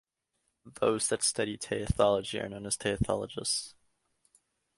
Those that study teuthology are known as teuthologists.